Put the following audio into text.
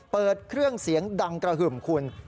เปิดเครื่องเสียงดังกระหึ่มคุณ